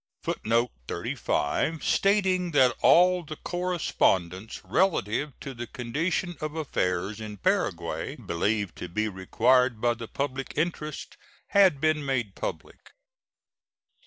U.S. GRANT. [Footnote 35: Stating that all the correspondence relative to the condition of affairs in Paraguay believed to be required by the public interest had been made public.